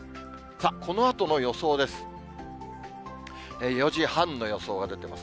さあ、このあとの予想です。